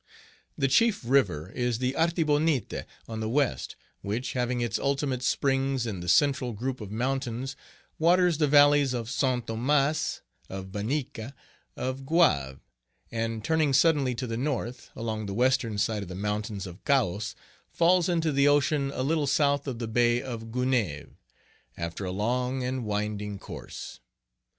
The chief river is the Artibonite, on the west, which, having its ultimate springs in the central group of mountains, waters the valleys of St. Thomas, of Banica, of Goave, and, turning suddenly to the north, along the western side of the mountains of Cahos, falls into the ocean a little south of the Bay of Gonaïves, after a long and winding course.